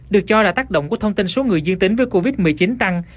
được cho là tác động của thông tin số người dương tính với covid một mươi chín tăng